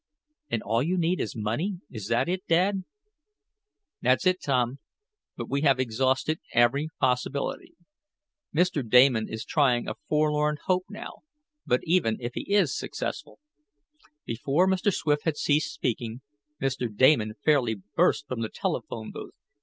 "And all you need is money; is that it, Dad?" "That's it, Tom, but we have exhausted every possibility. Mr. Damon is trying a forlorn hope now, but, even if he is successful " Before Mr. Swift had ceased speaking, Mr. Damon fairly burst from the telephone booth.